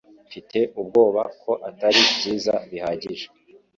Mfite ubwoba ko atari byiza bihagije